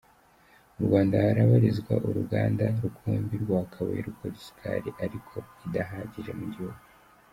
Mu Rwanda habarizwa uruganda rukumbi rwa Kabuye rukora isukari, ariko idahagije mu gihugu.